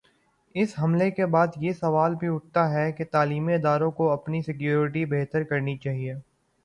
اس حملے کے بعد یہ سوال بھی اٹھا کہ تعلیمی اداروں کو اپنی سکیورٹی بہتر کرنی چاہیے۔